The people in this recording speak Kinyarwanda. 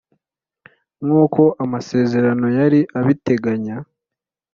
nk’uko amasezerano yari abiteganya